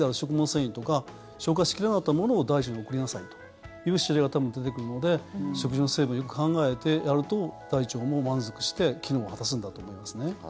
繊維とか消化しきれなかったものを大腸に送りなさいという指令が多分出てくるので食事の成分をよく考えてやると大腸も満足して機能を果たすんだと思いますね。